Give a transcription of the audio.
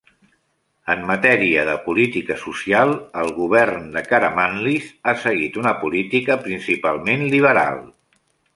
En matèria de política social, el govern de Karamanlis ha seguit una política principalment liberal.